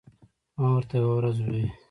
ما ورته یوه ورځ وې ـ